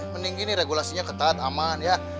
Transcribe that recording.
mending ini regulasinya ketat aman ya